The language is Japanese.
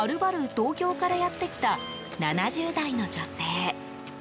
東京からやって来た７０代の女性。